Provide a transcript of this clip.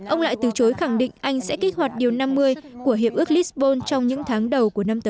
ông lại từ chối khẳng định anh sẽ kích hoạt điều năm mươi của hiệp ước lisbon trong những tháng đầu của năm tới